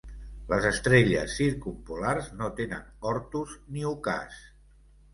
Les estrelles circumpolars no tenen ortus ni ocàs.